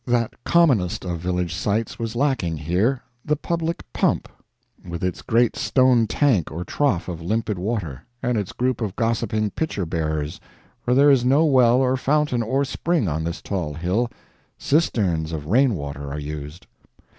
That commonest of village sights was lacking here the public pump, with its great stone tank or trough of limpid water, and its group of gossiping pitcher bearers; for there is no well or fountain or spring on this tall hill; cisterns of rain water are used.